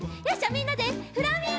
みんなでフラミンゴ！